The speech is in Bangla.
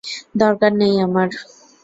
দরকার নেই আমার।